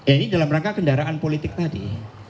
ini dalam rangka kendaraan politik tadi